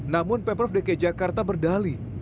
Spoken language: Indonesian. namun pemprov dki jakarta berdali